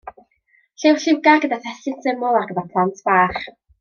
Llyfr lliwgar gyda thestun syml ar gyfer plant bach.